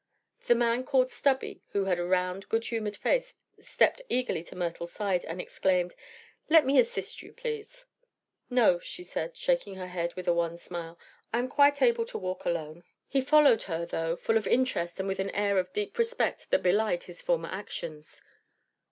The man called "Stubby," who had a round, good humored face, stepped eagerly to Myrtle's side and exclaimed: "Let me assist you, please." "No," she said, shaking her head with a wan smile; "I am quite able to walk alone." He followed her, though, full of interest and with an air of deep respect that belied his former actions.